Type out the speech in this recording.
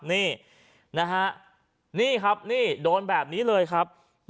นี่ครับนี่โดนแบบนี้เลยครับ